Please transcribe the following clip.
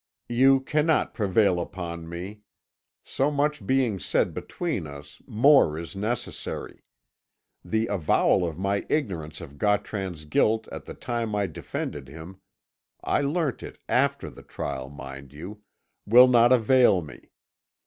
"You cannot prevail upon me. So much being said between us, more is necessary. The avowal of my ignorance of Gautran's guilt at the time I defended him I learnt it after the trial, mind you will not avail me.